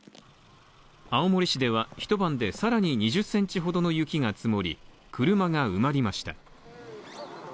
青森市では一晩で更に２０ｃｍほどの雪が積もり車が埋まりました。